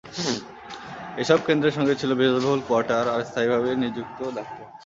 এইসব কেন্দ্রের সঙ্গে ছিলো বিলাসবহুল কোয়ার্টার আর স্থায়ীভাবে নিযুক্ত ডাক্তার।